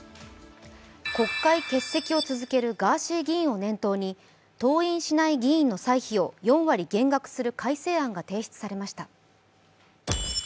国会欠席を続けるガーシー議員を念頭に登院しない議員の歳費を４割減額する改正案が提出されました。